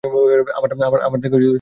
আমার দেখা সবচেয়ে সুন্দর স্থান।